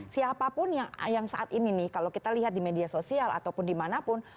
siapapun yang saat ini nih kalau kita lihat di media sosial ataupun dimanapun